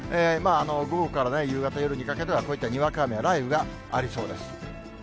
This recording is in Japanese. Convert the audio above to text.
午後から夕方、夜にかけては、こういったにわか雨や雷雨がありそうです。